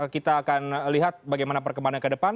kita akan lihat bagaimana perkembangannya ke depan